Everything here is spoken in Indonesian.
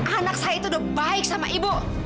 anak saya itu udah baik sama ibu